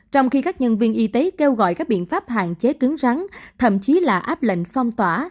trong khi các nhân viên y tế kêu gọi các biện pháp hạn chế cứng rắn thậm chí là áp lệnh phong tỏa